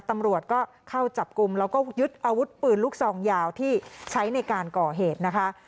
ตำรวจก็เข้าจับกลุ่มแล้วก็ยึดอาวุธปืนลูกซองยาวที่ใช้ในการก่อเหตุนะคะ